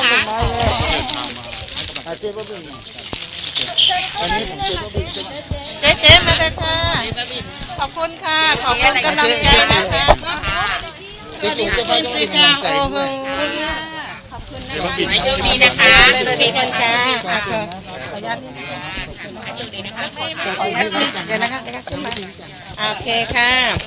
ขอบคุณนะคะดีนะคะสวัสดีค่ะ